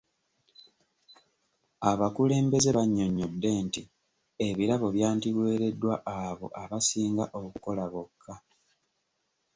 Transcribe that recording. Abakulembeze bannyonnyodde nti ebirabo byandiweereddwa abo abasinga okukola bokka.